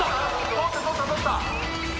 取った取った取った。